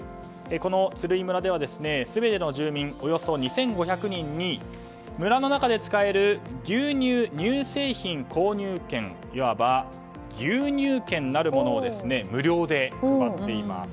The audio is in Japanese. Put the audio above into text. この鶴居村では全ての住民およそ２５００人に村の中で使える牛乳・乳製品購入券いわば牛乳券なるものを無料で配っています。